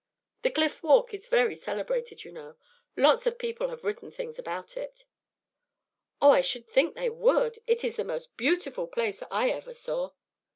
The Cliff walk is very celebrated, you know. Lots of people have written things about it." "Oh, I should think they would. It is the most beautiful place I ever saw."